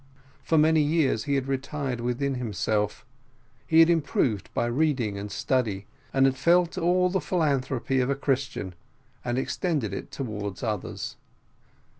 For many years he had retired within himself, he had improved by reading and study, had felt all the philanthropy of a Christian, and extended it towards others.